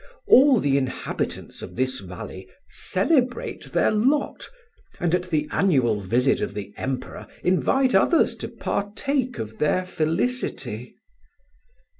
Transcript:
All the inhabitants of this valley celebrate their lot, and at the annual visit of the Emperor invite others to partake of their felicity."